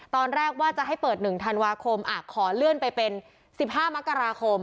ตอนแรกว่าจะให้เปิดหนึ่งธันวาคมอ่าขอเลื่อนไปเป็นสิบห้ามกราคม